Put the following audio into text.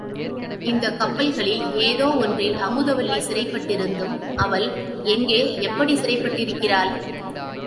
இந்தக் கப்பல்களில் ஏதோ ஒன்றில் அமுத வல்லி சிறைப்பட்டிருந்தும் அவள் எங்கே எப்படிச் சிறைப்பட்டிருக்கிறாள்?